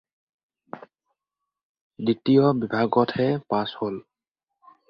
দ্বিতীয় বিভাগতহে পাছ হ'ল।